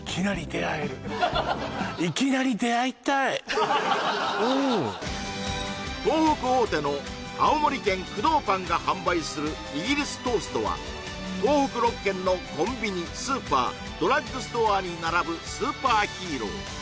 いきなり出会える東北大手の青森県工藤パンが販売するイギリストーストは東北６県のコンビニスーパードラッグストアに並ぶスーパーヒーロー